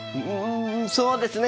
そうですね。